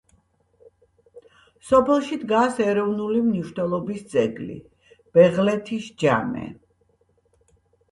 სოფელში დგას ეროვნული მნიშვნელობის ძეგლი ბეღლეთის ჯამე.